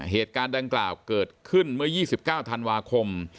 เหตุการณ์ดังกล่าวเกิดขึ้นเมื่อ๒๙ธันวาคม